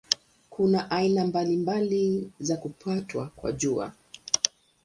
Kuna aina mbalimbali za kupatwa kwa Jua.